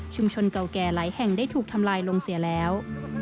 เก่าแก่หลายแห่งได้ถูกทำลายลงเสียแล้ว